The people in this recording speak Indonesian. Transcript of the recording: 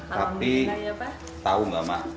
tapi tau gak ma